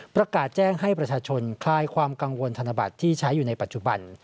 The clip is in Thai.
ประกาศแจ้งให้ประชาชนคลายความกังวลธนบัตรที่ใช้อยู่ในปัจจุบัน